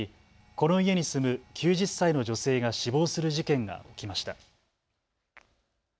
この家に住む９０歳の女性が死亡する事件が起きました。